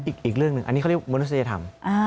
อีกเรื่องหนึ่งอันนี้เขาเรียกมนุษยธรรม